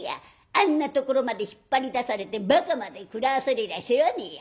あんなところまで引っ張り出されてばかまで食らわされりゃ世話ねえや。